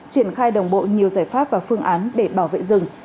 triển khai đồng bộ nhiều giải pháp và phương án để bảo vệ rừng